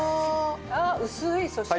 あっ薄いそして。